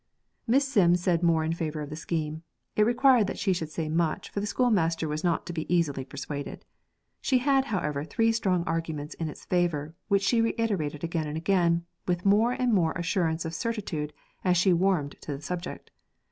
Mrs. Sims said more in favour of the scheme; it required that she should say much, for the schoolmaster was not to be easily persuaded. She had, however, three strong arguments in its favour, which she reiterated again and again, with more and more assurance of certitude as she warmed to the subject.